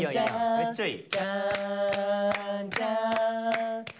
めっちゃいい。